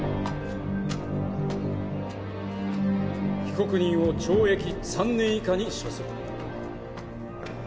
被告人を懲役３年以下に処する。